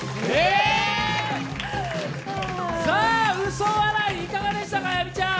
嘘笑い、いかがでしたか、あやみちゃん。